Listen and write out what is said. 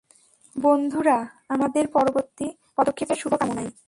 বন্ধুরা, আমাদের পরবর্তী পদক্ষেপের শুভকামনায়।